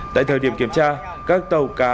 tại thời điểm kiểm tra các tàu cá